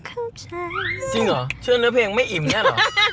เชื่อเนื้อเพลงไม่อิ่มแน่หรอ